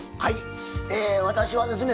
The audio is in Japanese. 私はですね